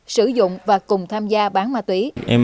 sử dụng và cùng tham gia bán ma túy